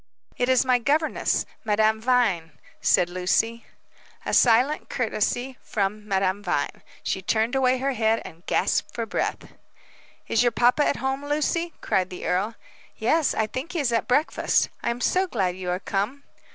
"It is my governess, Madame Vine," said Lucy. A silent courtesy from Madame Vine. She turned away her head and gasped for breath. "Is your papa at home, Lucy?" cried the earl. "Yes; I think he is at breakfast. I'm so glad you are come!"